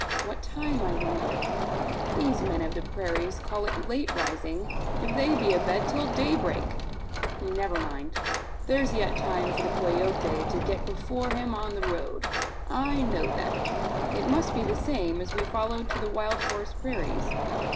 What time, I wonder. These men of the prairies call it late rising, if they be abed till daybreak! Never mind. There's yet time for the Coyote to get before him on the road! I know that. It must be the same as we followed to the wild horse prairies.